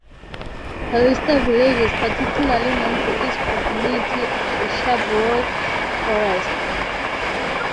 Kallista Village is particularly known for its proximity to Sherbrooke Forest.